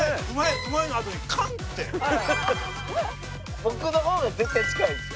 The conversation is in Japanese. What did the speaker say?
僕の方が絶対近いですよ。